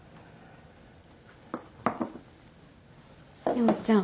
陽ちゃん。